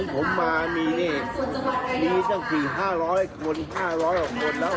ผมมามีเนธมีเจ้าสี่ห้าร้อยมีห้าร้อยออกบนแล้ว